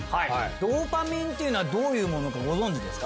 ドーパミンとはどういうものかご存じですか？